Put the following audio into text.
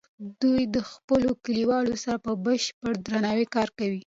دوی د خپلو کلیوالو سره په بشپړ درناوي کار کوي.